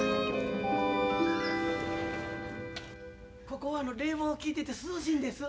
ここは冷房きいてて涼しいんです。